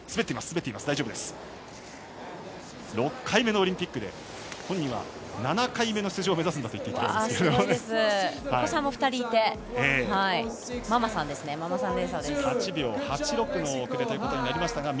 ６回目のオリンピックで本人は７回目の出場を目指すといっていました。